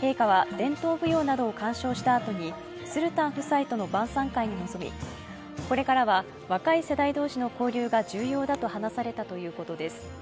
陛下は伝統舞踊などを鑑賞したあとにスルタン夫妻との晩さん会に臨み、これからは若い世代同士の交流が重要だと話されたということです。